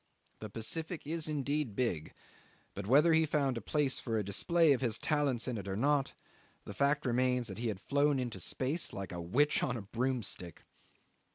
The Pacific is indeed big; but whether he found a place for a display of his talents in it or not, the fact remains he had flown into space like a witch on a broomstick.